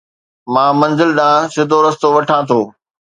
مان منزل ڏانهن سڌو رستو وٺان ٿو